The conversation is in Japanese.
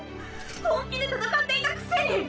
本気で戦っていたくせに！